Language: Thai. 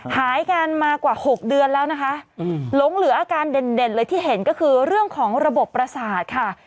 หายกันมากว่า๖เดือนแล้วนะคะหลงเหลืออาการเด่นเลยที่เห็นก็คือเรื่องของระบบประสาทค่ะ